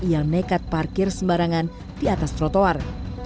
yang nekat parkir sembarangan di atas trotoar